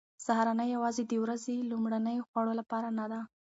سهارنۍ یوازې د ورځې د لومړنیو خوړو لپاره نه ده.